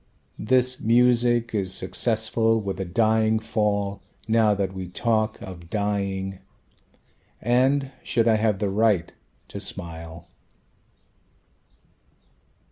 This music is successful with a "dying fall" Now that we talk of dying And should I have the right to smile?